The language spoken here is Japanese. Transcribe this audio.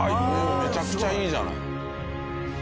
めちゃくちゃいいじゃない。